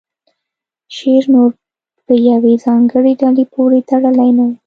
شعر نور په یوې ځانګړې ډلې پورې تړلی نه و